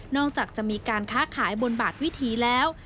จากจะมีการค้าขายบนบาดวิถีแล้ว